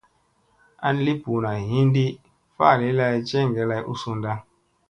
An li ɓuuna hinɗi faali lay jeŋge lay u sunɗa.